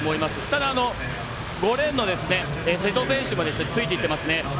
ただ、５レーンの瀬戸選手もついていっていますね。